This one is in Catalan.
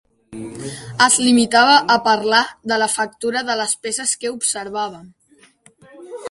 Es limitava a parlar de la factura de les peces que observàvem.